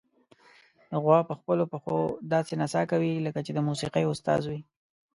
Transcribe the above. غوا په خپلو پښو داسې نڅا کوي، لکه چې د موسیقۍ استاد وي.